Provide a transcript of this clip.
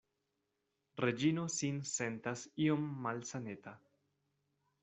Reĝino sin sentas iom malsaneta.